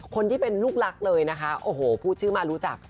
คนที่เป็นลูกรักเลยนะคะโอ้โหพูดชื่อมารู้จัก